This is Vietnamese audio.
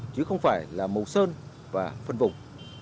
chứ không phải là màu sơn và phân vùng